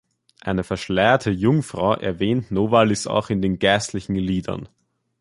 Eine verschleierte Jungfrau erwähnt Novalis auch in den "Geistlichen Liedern".